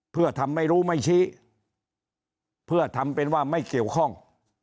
เพื่อทำไม่รู้ไม่ชี้เพื่อทำเป็นว่าไม่เกี่ยวข้อง